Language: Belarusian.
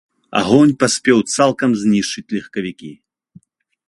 Агонь паспеў цалкам знішчыць легкавікі.